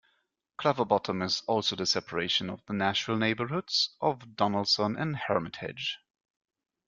Clover Bottom also is the separation of the Nashville neighborhoods of Donelson and Hermitage.